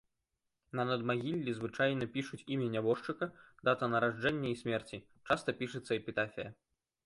На надмагіллі звычайна пішуць імя нябожчыка, даты нараджэння і смерці, часта пішацца эпітафія.